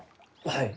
はい。